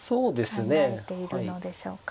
考えているのでしょうか。